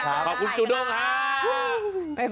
ขอบคุณคุณจูด้มครับ